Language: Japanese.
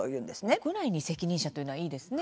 国内に責任者というのはいいですね。